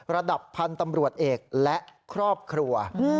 ระดับพันธุ์ตำรวจเอกและครอบครัว